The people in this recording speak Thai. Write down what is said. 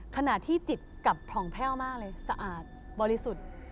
ขณะที่จิตกลับผ่องแพ่วมากเลยสะอาดบริสุทธิ์